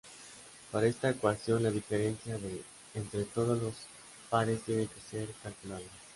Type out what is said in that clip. Para esta ecuación, la diferencia D entre todos los pares tiene que ser calculada.